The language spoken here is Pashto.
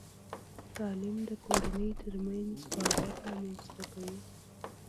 تعلیم د کورنۍ ترمنځ باور رامنځته کوي.